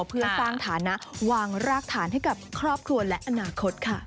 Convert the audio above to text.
เพื่อสร้างฐานะวางรากฐานให้กับครอบครัวและอนาคตค่ะ